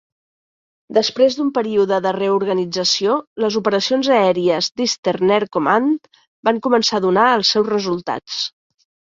Després d"un període de reorganització, les operacions aèries d"Eastern Air Command van començar a donar els seus resultats.